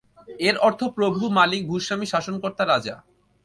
এর অর্থ প্রভু, মালিক, ভূস্বামী, শাসনকর্তা, রাজা।